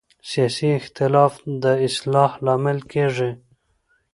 سیاسي اختلاف د اصلاح لامل کېږي